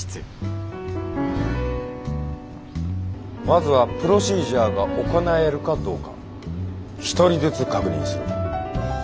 まずはプロシージャーが行えるかどうか１人ずつ確認する。